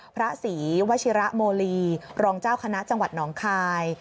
พระศรีวชิระโมลีรองเจ้าคณะจังหวัดหนองคาย